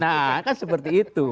nah kan seperti itu